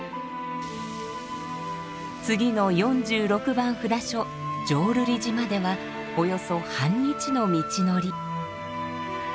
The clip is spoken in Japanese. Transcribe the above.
次の４６番札所浄瑠璃寺まではおよそ半日の道のり。